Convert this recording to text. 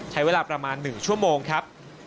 ใช้เวลาประมาณ๑ชั่วโมงครับ